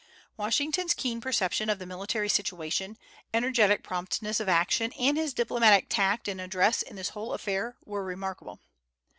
Washington's keen perception of the military situation, energetic promptness of action, and his diplomatic tact and address in this whole affair were remarkable.